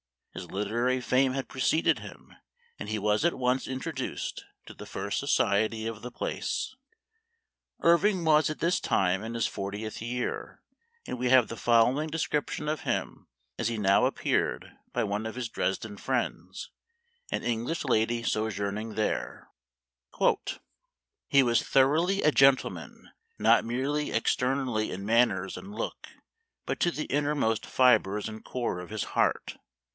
His literary fame had preceded him, and he was at once introduced to the first society of the place. Irving was at this time in his fortieth year, and we have the following description of him as he now appeared by one of his Dresden friends, an English lady sojourning there :" He was thoroughly a gentleman, not merely externally in manners and look, but to the inner most fibers and core of his heart.